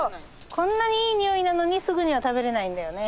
こんなにいい匂いなのにすぐには食べれないんだよね。